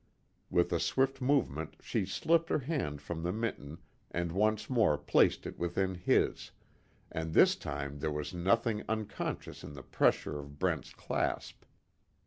With a swift movement she slipped her hand from the mitten and once more placed it within his, and this time there was nothing unconscious in the pressure of Brent's clasp.